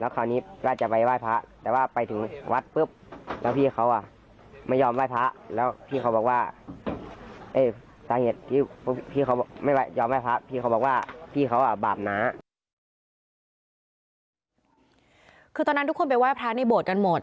คือตอนนั้นทุกคนไปไหว้พระในโบสถ์กันหมด